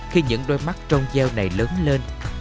khi những đôi mắt trong dao này lớn lên